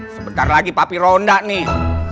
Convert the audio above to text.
sebentar lagi papi ronda nih